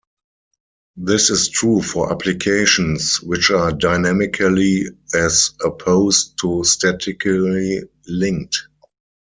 This is true for applications which are dynamically as opposed to statically linked.